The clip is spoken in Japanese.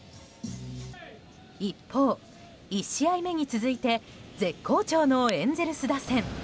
一方、１試合目に続いて絶好調のエンゼルス打線。